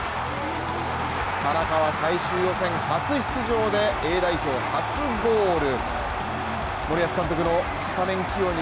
田中は最終予選初出場でＡ代表初ゴール。